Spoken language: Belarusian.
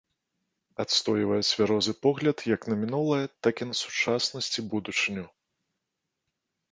Адстойвае цвярозы погляд як на мінулае, так і на сучаснасць і будучыню.